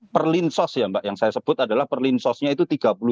perlinsos ya mbak yang saya sebut adalah perlinsosnya itu tiga puluh lima